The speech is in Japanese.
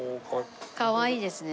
かわいいですね。